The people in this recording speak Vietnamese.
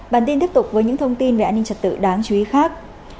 bản tin tiếp tục với những thông tin về an ninh trật tự đáng chú ý khác